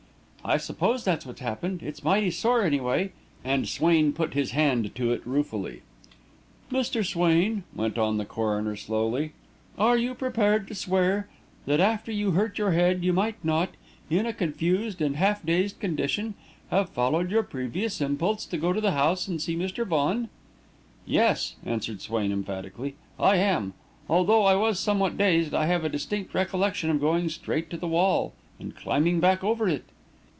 "I suppose that's what happened. It's mighty sore, anyway," and Swain put his hand to it ruefully. "Mr. Swain," went on the coroner, slowly, "are you prepared to swear that, after you hurt your head, you might not, in a confused and half dazed condition, have followed your previous impulse to go to the house and see Mr. Vaughan?" "Yes," answered Swain, emphatically, "I am. Although I was somewhat dazed, I have a distinct recollection of going straight to the wall and climbing back over it."